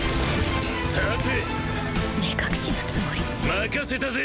任せたぜ。